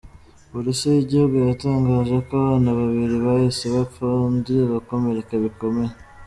Polisi y’igihugu yatangaje ko abana babiri bahise bapfa undi agakomereka bikomeye.